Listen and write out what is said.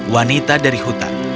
wanita dari hutan